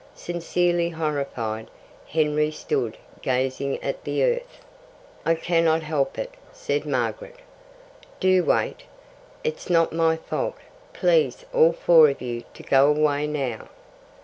Sincerely horrified, Henry stood gazing at the earth. "I cannot help it," said Margaret. "Do wait. It's not my fault. Please all four of you to go away now."